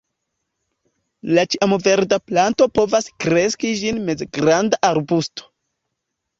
La ĉiamverda planto povas kreski ĝis mezgranda arbusto.